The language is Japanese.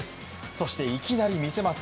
そしていきなり見せます。